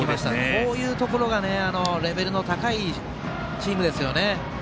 こういうところがレベルが高いチームですよね。